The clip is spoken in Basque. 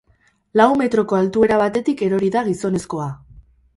Lau metroko altuera batetik erori da gizonezkoa.